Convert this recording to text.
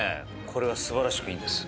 これは素晴らしくいいんです。